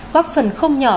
góp phần không nhỏ